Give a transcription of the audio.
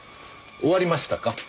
終わりました。